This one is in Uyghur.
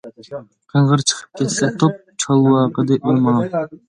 قىڭغىر چىقىپ كەتسە توپ، چالۋاقىدى ئۇ ماڭا.